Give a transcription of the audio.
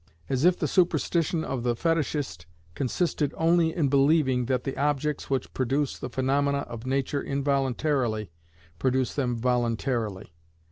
As if the superstition of the Fetishist consisted only in believing that the objects which produce the phaenomena of nature involuntarily, produce them voluntarily.